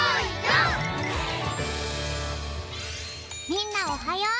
みんなおはよう！